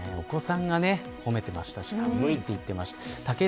お子さんが褒めてましたし格好いいって言っていました。